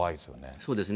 そうですね。